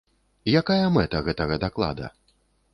Якая мэта гэтага даклада?